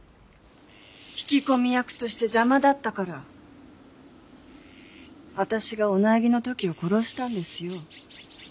引き込み役として邪魔だったからあたしがお内儀のトキを殺したんですよ。